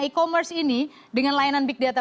e commerce ini dengan layanan big data